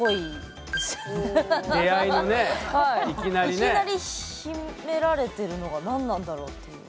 いきなり秘められてるのが何なんだろうっていう。